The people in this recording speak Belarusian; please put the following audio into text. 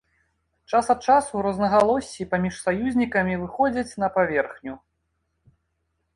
Час ад часу рознагалоссі паміж саюзнікамі выходзяць на паверхню.